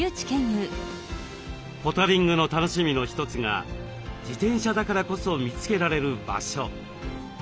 ポタリングの楽しみの一つが自転車だからこそ見つけられる場所。